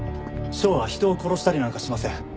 翔は人を殺したりなんかしません。